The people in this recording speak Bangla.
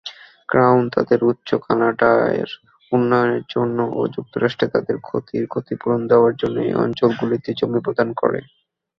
ক্রাউন তাদের উচ্চ কানাডার উন্নয়নের জন্য ও যুক্তরাষ্ট্রে তাদের ক্ষতির ক্ষতিপূরণ দেওয়ার জন্য এই অঞ্চলগুলিতে জমি প্রদান করে।